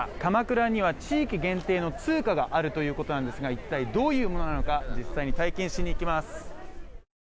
鎌倉には地域限定の通貨があるということなんですが一体どういうものなのか実際に体験しにいきます。